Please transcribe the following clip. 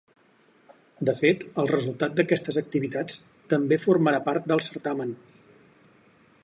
De fet, el resultat d’aquestes activitats també formarà part del certamen.